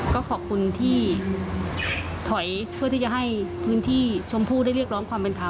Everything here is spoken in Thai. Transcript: ก็ขอบคุณที่ถอยเพื่อที่จะให้พื้นที่ชมพู่ได้เรียกร้องความเป็นธรรม